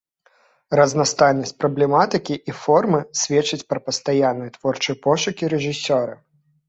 Разнастайнасць праблематыкі і формы сведчыць пра пастаянныя творчыя пошукі рэжысёра.